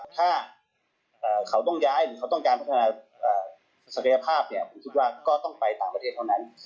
ถ้าเขาต้องย้ายหรือเขาต้องการพัฒนาศักยภาพเนี่ยผมคิดว่าก็ต้องไปต่างประเทศเท่านั้น